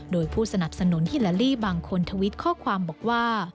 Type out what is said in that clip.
โดยผู้สนับสนุนฮิลาลีบางคนทวิตข้อความบอกว่า